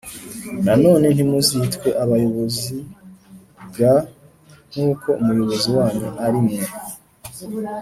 Nanone ntimuzitwe abayobozi g kuko Umuyobozi wanyu ari umwe